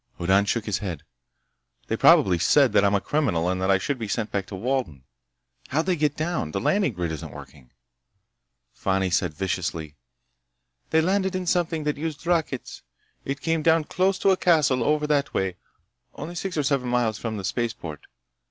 Hoddan shook his head. "They probably said that I'm a criminal and that I should be sent back to Walden. How'd they get down? The landing grid isn't working." Fani said viciously: "They landed in something that used rockets. It came down close to a castle over that way—only six or seven miles from the spaceport.